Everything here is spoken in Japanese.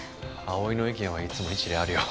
葵の意見はいつも一理あるよ。